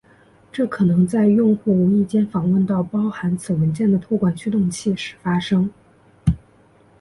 这可能在用户无意间访问到包含此文件的托管驱动器时发生。